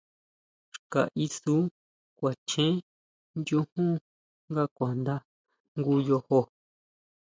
Xka isú kuachen chujun nga kuanda jngu yojo.